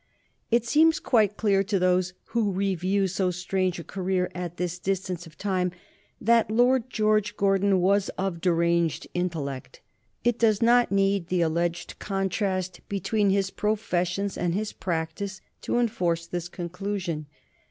It seems quite clear to those who review so strange a career at this distance of time that Lord George Gordon was of deranged intellect. It does not need the alleged contrast between his professions and his practice to enforce this conclusion.